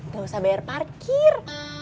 gak usah bayar parkir